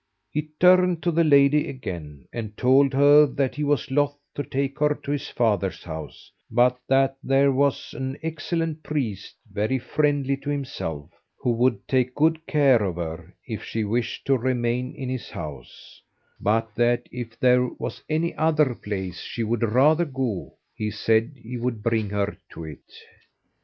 He turned to the lady again and told her that he was loth to take her to his father's house, but that there was an excellent priest very friendly to himself, who would take good care of her, if she wished to remain in his house; but that if there was any other place she would rather go, he said he would bring her to it.